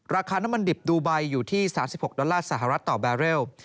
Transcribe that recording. ราคาน้ำมันดิบดูไบอยู่ที่๓๖ดอลลาร์สหรัฐต่อแบเรล